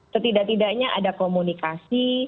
setidak tidaknya ada komunikasi